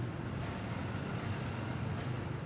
jangan bisa numero situ